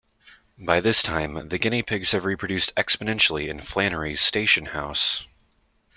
By this time, the guinea pigs have reproduced exponentially in Flannery's station house.